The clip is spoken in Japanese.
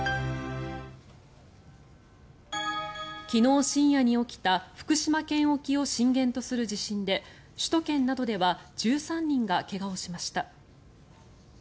昨日深夜に起きた福島県沖を震源とする地震で首都圏などでは１３人が怪我をしました。